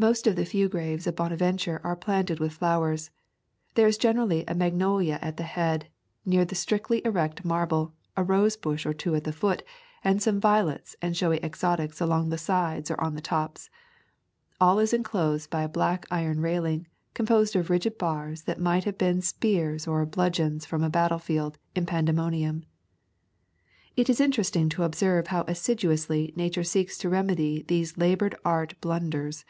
Most of the few graves of Bonaventure are planted with flowers. There is generally a mag nolia at the head, near the strictly erect marble, a rose bush or two at the foot, and some violets and showy exotics along the sides or on the tops. All is enclosed by a black iron railing, composed of rigid bars that might have been spears or bludgeons from a battlefield in Pan demonium. It is interesting to observe how assiduously Nature seeks to remedy these labored art blun ders.